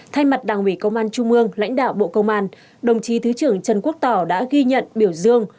thay mặt đảng ủy công an trung ương lãnh đạo bộ công an đồng chí thứ trưởng trần quốc tỏ đã ghi nhận biểu dương